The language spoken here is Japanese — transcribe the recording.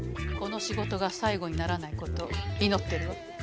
この仕事が最後にならないことを祈ってるわ。